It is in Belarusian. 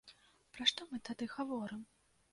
Пра што мы тады гаворым?